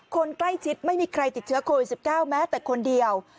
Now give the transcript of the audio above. คนใกล้ชิดไม่มีใครติดเชื้อโควิด๑๙แม้แต่คนเดียว